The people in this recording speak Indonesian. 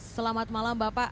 selamat malam bapak